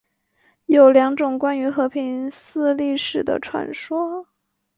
有两种关于和平寺历史的传说。